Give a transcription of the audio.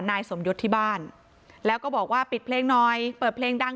นายสมยศที่บ้านแล้วก็บอกว่าปิดเพลงหน่อยเปิดเพลงดัง